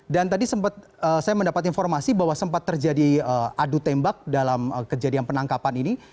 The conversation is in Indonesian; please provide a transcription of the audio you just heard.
dan tadi saya mendapat informasi bahwa sempat terjadi adu tembak dalam kejadian penangkapan ini